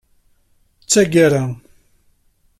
D taggara.